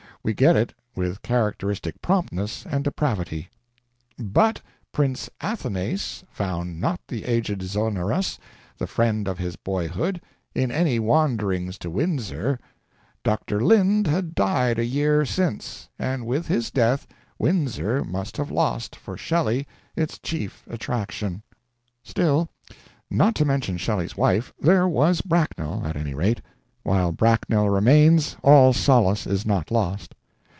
We get it with characteristic promptness and depravity: "But Prince Athanase found not the aged Zonoras, the friend of his boyhood, in any wanderings to Windsor. Dr. Lind had died a year since, and with his death Windsor must have lost, for Shelley, its chief attraction." Still, not to mention Shelley's wife, there was Bracknell, at any rate. While Bracknell remains, all solace is not lost.